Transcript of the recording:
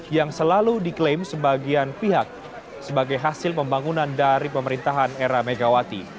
yang selalu diklaim sebagian pihak sebagai hasil pembangunan dari pemerintahan era megawati